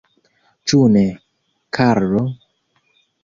Ĉu ne, Karlo?